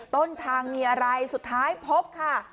ต้นทางมีอะไรสุดท้ายพบค่ะ